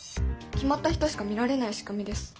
決まった人しか見られない仕組みです。